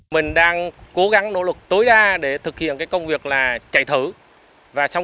mình đang cố gắng nỗ lực tối đa để thực hiện công việc chạy thở